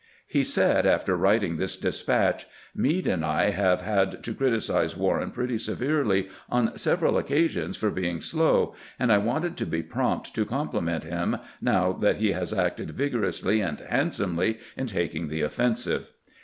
He said after writing this despatch :" Meade and I have had to criticize War BATTLE OF THE WELDON BAILEOAD 281 ren pretty severely on several occasions for being slow, and I wanted to be prompt to compliment Mm now that he has acted vigorously and handsomely in taking the offensive."